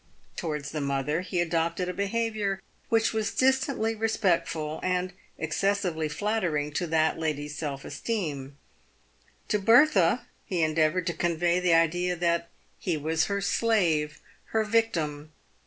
Towards the mother he adopted a behaviour which was distantly respectful, and excessively flattering to that lady's self esteem. To Bertha he endeavoured to convey the idea that he was her slave, her victim.